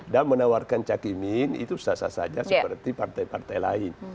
dan menawarkan cakimin itu sasar saja seperti partai partai lain